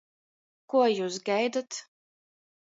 Kuo jius gaidot?